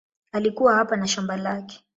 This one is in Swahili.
Alikuwa hapa na shamba lake.